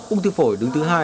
ung thư phổi đứng thứ hai